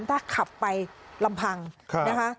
ถ้าขับไปลำพังนะคะ